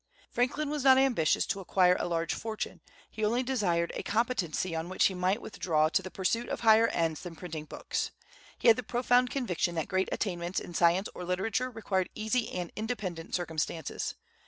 Franklin was not ambitious to acquire a large fortune; he only desired a competency on which he might withdraw to the pursuit of higher ends than printing books. He had the profound conviction that great attainments in science or literature required easy and independent circumstances.